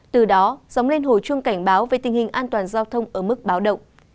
từ đó dóng lên hồi chuông cảnh báo về tình hình an toàn giao thông ở mức báo động